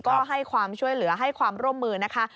ก็ให้ความช่วยเหลือให้ความร่วมมือนะคะ